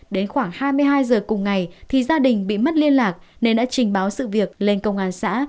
đến khoảng hai mươi hai giờ cùng ngày thì gia đình bị mất liên lạc nên đã trình báo sự việc lên công an xã